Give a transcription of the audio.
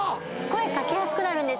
声掛けやすくなる。